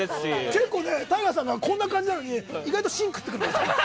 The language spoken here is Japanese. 結構、ＴＡＩＧＡさんのはこんな感じなのに意外と芯を食ってくるから。